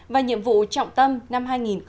và nhiệm vụ trọng tâm năm hai nghìn một mươi bảy